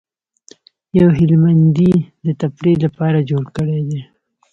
یو هلمندي د تفریح لپاره جوړ کړی دی.